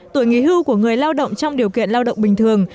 tuổi nghỉ hưu của người lao động trong điều kiện lao động bình thường